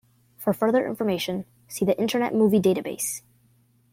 For further information see the "Internet Movie Database".